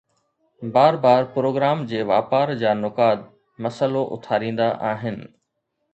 بار بار پروگرام جي واپار جا نقاد مسئلو اٿاريندا آهن